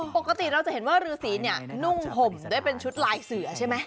ปกติเราจะเห็นว่ารือสีเนี่ยนุ่งห่มได้เป็นชุดลายเสือใช่ไหม